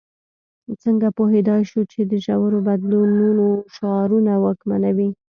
څنګه پوهېدای شو چې د ژورو بدلونونو شعارونه واکمنوي.